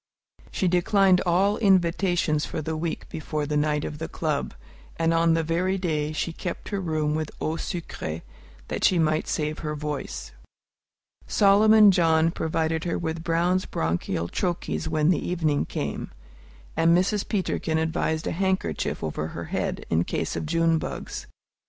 She declined all invitations for the week before the night of the club, and on the very day she kept her room with eau sucrée, that she might save her voice. Solomon John provided her with Brown's Bronchial Troches when the evening came, and Mrs. Peterkin advised a handkerchief over her head, in case of June bugs.